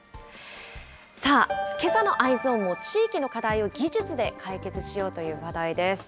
さあ、けさのＥｙｅｓｏｎを地域の課題を技術で解決しようという話題です。